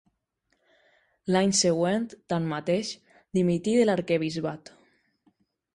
L'any següent, tanmateix, dimití de l’arquebisbat.